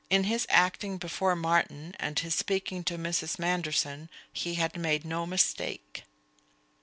In his acting before Martin and his speaking to Mrs. Manderson he had made no mistake.